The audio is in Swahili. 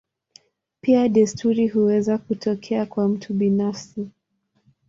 Pia desturi huweza kutokea kwa mtu binafsi.